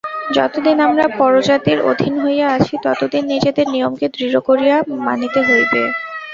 যতদিন আমরা পরজাতির অধীন হইয়া আছি ততদিন নিজেদের নিয়মকে দৃঢ় করিয়া মানিতে হইবে।